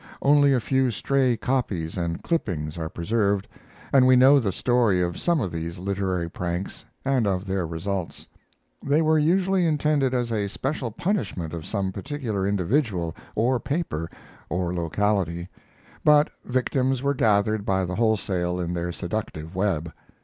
Only a few stray copies and clippings are preserved, but we know the story of some of these literary pranks and of their results. They were usually intended as a special punishment of some particular individual or paper or locality; but victims were gathered by the wholesale in their seductive web.